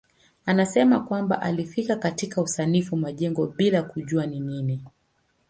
Anasema kwamba alifika katika usanifu majengo bila kujua ni nini.